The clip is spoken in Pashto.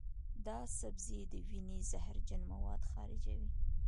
دا سبزی د وینې زهرجن مواد خارجوي.